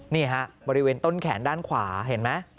นี่ฮะบริเวณต้นแขนด้านขวาเห็นไหม